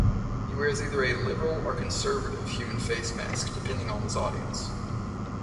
He wears either a "liberal" or "conservative" human face mask, depending on his audience.